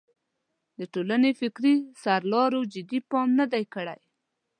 د ټولنې فکري سرلارو جدي پام نه دی کړی.